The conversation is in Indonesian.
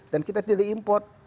dan kita tidak diimport